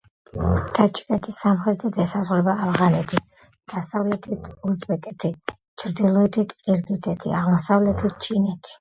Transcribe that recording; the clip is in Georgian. ტაჯიკეთს სამხრეთით ესაზღვრება ავღანეთი, დასავლეთით უზბეკეთი, ჩრდილოეთით ყირგიზეთი და აღმოსავლეთით ჩინეთი.